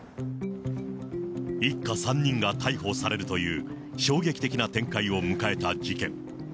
一家３人が逮捕されるという衝撃的な展開を迎えた事件。